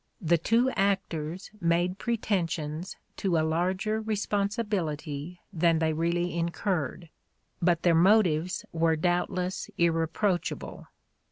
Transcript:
. the two actors made pretensions to a larger responsibility than they really incurred, but their motives ... were doubtless irreproachable."